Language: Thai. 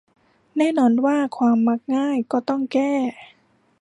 แน่นอนว่าความมักง่ายก็ต้องแก้